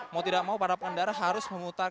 mau tidak mau para pengendara harus memutar